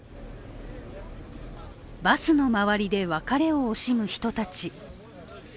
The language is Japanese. バスの周りで別れを惜しむ人たち。